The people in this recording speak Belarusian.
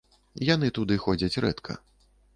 Яны туды ходзяць рэдка.